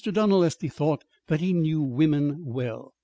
Donald Estey thought that he knew women well.